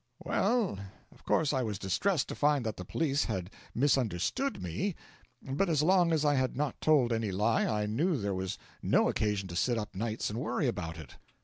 'Well, of course I was distressed to find that the police had misunderstood me, but as long as I had not told any lie I knew there was no occasion to sit up nights and worry about it.'